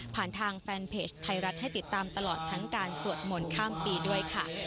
ผ่านทางแฟนเพจไทยรัฐให้ติดตามตลอดทั้งการสวดมนต์ข้ามปีด้วยค่ะ